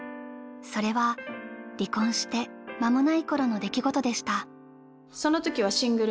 それは離婚して間もない頃の出来事でした。